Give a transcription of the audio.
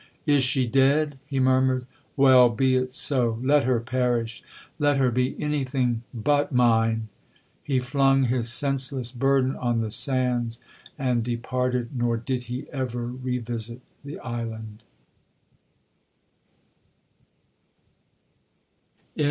'Is she dead?' he murmured. 'Well, be it so—let her perish—let her be any thing but mine!' He flung his senseless burden on the sands, and departed—nor did he ever revisit the island.'